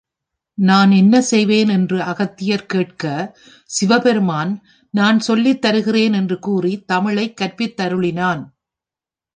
நான் என்ன செய்வேன் என்று அகத்தியர் கேட்க, சிவபெருமான், நான் சொல்லித் தருகிறேன் என்று கூறித் தமிழைக் கற்பித்தருளினான்.